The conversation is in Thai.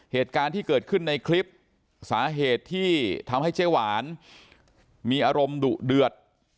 เหตุการณ์ที่เกิดขึ้นในคลิปสาเหตุที่ทำให้เจ๊หวานมีอารมณ์ดุเดือด